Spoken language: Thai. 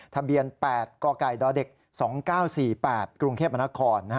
ทะเบียน๘กกด๒๙๔๘กรุงเทพมนาคม